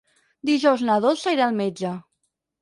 Dijous na Dolça irà al metge.